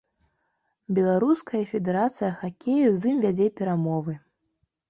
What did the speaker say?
Беларуская федэрацыя хакею з ім вядзе перамовы.